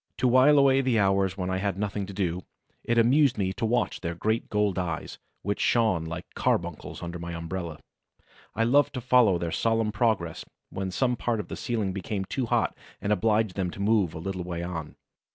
To while away the hours when I had nothing to do, it amused me to watch their great gold eyes, which shone like carbuncles under my umbrella; I loved to follow their solemn progress when some part of the ceiling became too hot and obliged them to move a little way on.